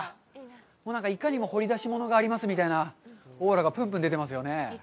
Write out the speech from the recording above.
いかにも掘り出し物がありますみたいな、オーラがぷんぷん出てますよね。